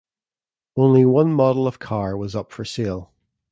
Only one model of car was up for sale.